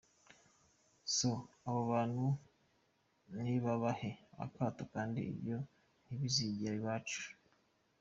So, abo bantu nibabahe akato kandi ibyo ntibizagere iwacu.